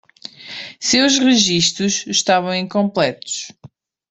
Seus registros estavam incompletos.